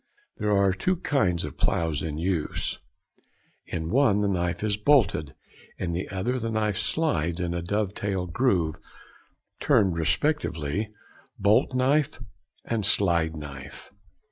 There are two kinds of ploughs in use—in one the knife is bolted, in the other the knife slides in a dovetail groove—termed respectively |61| "bolt knife" and "slide knife."